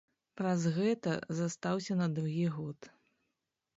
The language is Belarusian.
Праз гэта застаўся на другі год.